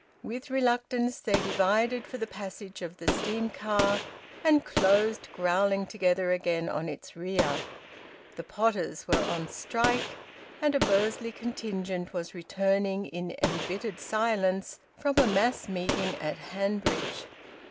With reluctance they divided for the passage of the steam car, and closed growling together again on its rear. The potters were on strike, and a Bursley contingent was returning in embittered silence from a mass meeting at Hanbridge.